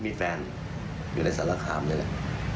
มีแฟนอยู่ในสารขาลเลย